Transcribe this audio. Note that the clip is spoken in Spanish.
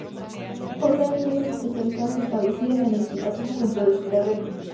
Posee diversas especialidades establecidas en edificaciones dentro de su terreno.